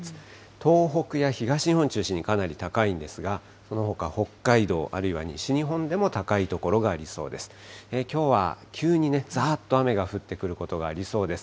東北や東日本中心にかなり高いんですが、そのほか、北海道、あるいは西日本でも高い所がありそうです。